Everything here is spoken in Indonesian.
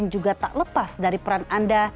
juga tak lepas dari peran anda